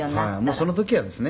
「その時はですね